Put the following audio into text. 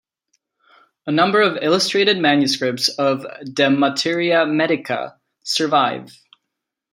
A number of illustrated manuscripts of "De Materia Medica" survive.